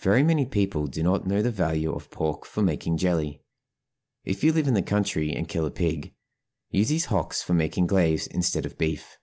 Very many people do not know the value of pork for making jelly. If you live in the country and kill a pig, use his hocks for making glaze instead of beef.